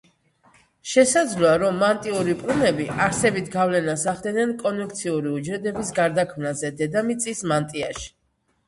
შესაძლოა, რომ მანტიური პლუმები არსებით გავლენას ახდენენ კონვექციური უჯრედების გარდაქმნაზე დედამიწის მანტიაში.